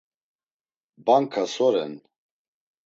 Banka so ren?